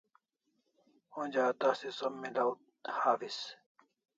Onja a tasi som milaw hawis